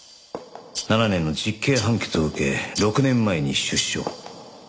７年の実刑判決を受け６年前に出所。